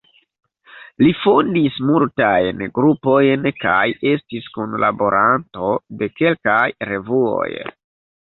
Li fondis multajn grupojn kaj estis kunlaboranto de kelkaj revuoj.